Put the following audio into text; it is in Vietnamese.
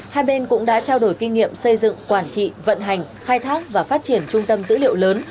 hai bên cũng đã trao đổi kinh nghiệm xây dựng quản trị vận hành khai thác và phát triển trung tâm dữ liệu lớn